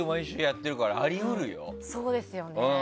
そうですよね。